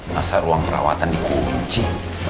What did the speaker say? masa ruang perawatan dikunci